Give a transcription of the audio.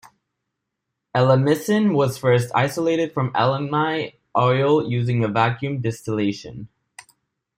Elemicin was first isolated from elemi oil using vacuum distillation.